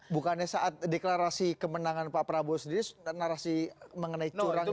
bukannya saat deklarasi kemenangan pak prabowo sendiri narasi mengenai curang itu